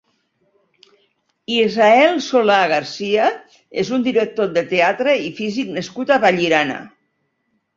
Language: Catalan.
Israel Solà García és un director de teatre i físic nascut a Vallirana.